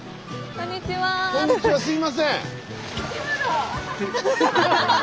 こんにちはすいません。